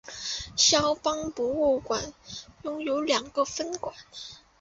萧邦博物馆拥有两个分馆。